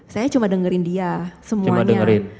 saya cuma dengerin dia semuanya cuma dengerin